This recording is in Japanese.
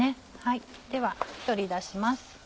では取り出します。